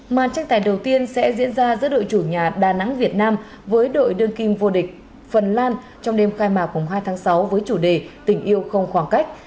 màn tranh tài đầu tiên sẽ diễn ra giữa đội chủ nhà đà nẵng việt nam với đội đương kim vô địch phần lan trong đêm khai mạc hai tháng sáu với chủ đề tình yêu không khoảng cách